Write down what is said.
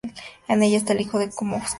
En ella está el Hijo como Crucificado.